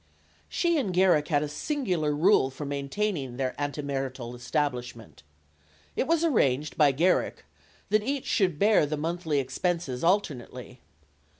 She and Garrick had a singular rule for maintaining their antemarital establishment. It was arranged by Garrick that each should bear the monthly expenses alternately.